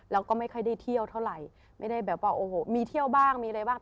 แล้วก็ไม่ค่อยได้เที่ยวเท่าไหร่ไม่ได้แบบว่าโอ้โหมีเที่ยวบ้างมีอะไรบ้าง